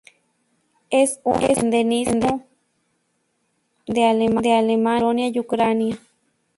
Es un endemismo de Alemania, Polonia y Ucrania.